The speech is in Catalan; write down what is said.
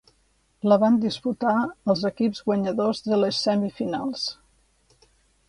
La van disputar els equips guanyadors de les semifinals.